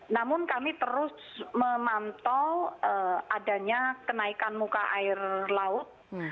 namun kami terus memantau adanya kenaikan muka air laut